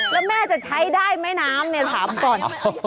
แล้วแม่จะใช้ได้ไหมน้ำเนี่ยถามก่อน